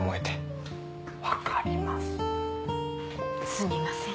すみません。